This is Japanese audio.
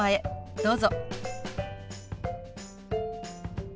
どうぞ。